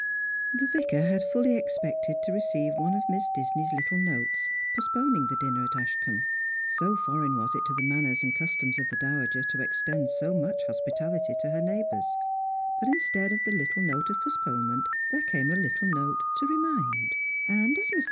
The Vicar had fully expected to receive one of Miss Disney's little notes postponing the dinner at Ashcombe, so foreign was it to the manners and customs of the dowager to extend so much hospitality to her neighbours; but instead of the little note of postponement there came a little note " to remind ;" and, as INIr.